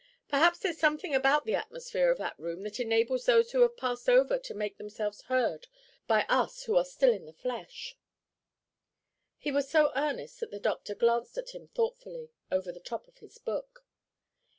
Perhaps there's something about the atmosphere of that room that enables those who have passed over to make themselves heard by us who are still in the flesh." He was so earnest that the doctor glanced at him thoughtfully over the top of his book.